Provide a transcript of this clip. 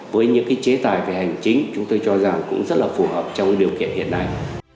với những chế tài về hành chính chúng tôi cho rằng cũng rất là phù hợp trong điều kiện hiện nay